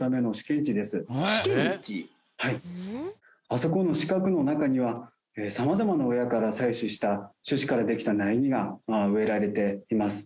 あそこの四角の中には様々な親から採取した種子からできた苗木が植えられています。